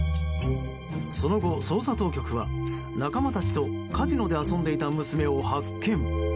その後、捜査当局は仲間たちとカジノで遊んでいた娘を発見。